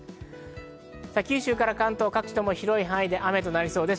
九州から関東各地とも広い範囲で雨となりそうです。